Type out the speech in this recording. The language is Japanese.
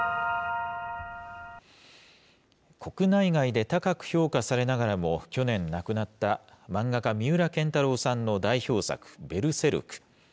国内外で高く評価されながらも、去年亡くなった漫画家、三浦建太郎さんの代表作、ベルセルク。